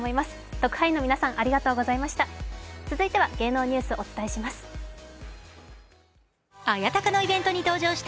特派員の皆さんありがとうございました。